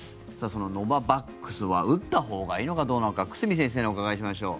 そのノババックスは打ったほうがいいのかどうなのか久住先生にお伺いしましょう。